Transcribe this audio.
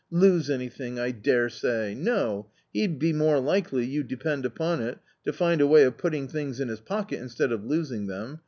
lose anything — I daresay ! no ; he'd be more likely, you depend upon it, to find a way of putting things in his pocket instead of losing them